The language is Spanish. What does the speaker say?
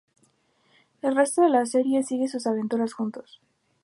El resto de la serie sigue sus aventuras juntos.